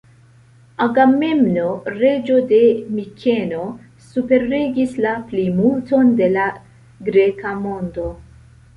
Agamemno, reĝo de Mikeno, superregis la plimulton de la greka mondo.